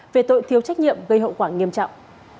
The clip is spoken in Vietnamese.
về tội thiếu trách nhiệm gây hậu quả nghiêm trọng